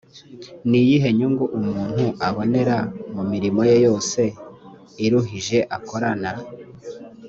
ni iyihe nyungu umuntu abonera mu mirimo ye yose iruhije akoranae